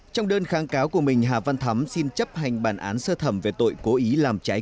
trong đơn kháng cáo của mình hà văn thắm xin chấp hành bản án sơ thẩm về tội cố ý làm trái